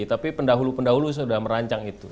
tapi pendahulu pendahulu sudah merancang itu